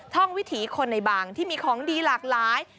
ท่องวิถีคนในบางที่มีของดีหลากหลาย